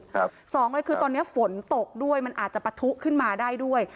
สองเลยคือตอนเนี้ยฝนตกด้วยมันอาจจะปะทุขึ้นมาได้ด้วย